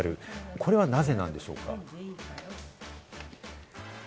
これはなぜなんでしょうか？